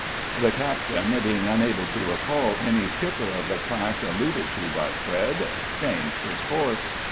The captain, being unable to recall any shipper of the class alluded to by Fred, changed his course.